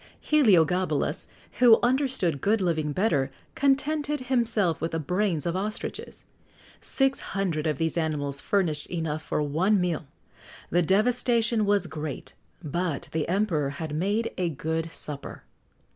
Heliogabalus, who understood good living better, contented himself with the brains of ostriches. Six hundred of these animals furnished enough for one meal.[XX 80] The devastation was great, but the emperor had made a good supper.